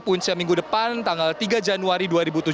punca minggu depan tanggal tiga januari dua ribu tujuh belas